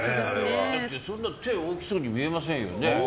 そんな手大きそうに見えませんよね。